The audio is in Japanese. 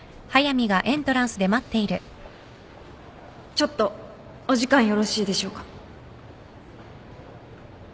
ちょっとお時間よろしいでしょうか？